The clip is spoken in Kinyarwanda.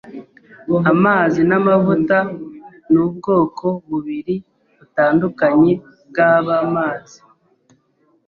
Amazi namavuta nubwoko bubiri butandukanye bwamazi.